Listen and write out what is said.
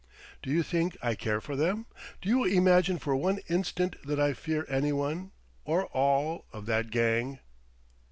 Do you think I care for them? Do you imagine for one instant that I fear any one or all of that gang?"